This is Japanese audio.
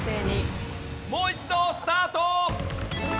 もう一度スタート！